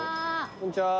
こんにちは。